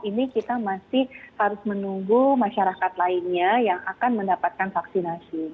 ini kita masih harus menunggu masyarakat lainnya yang akan mendapatkan vaksinasi